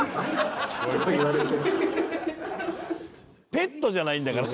ペットじゃないんだから。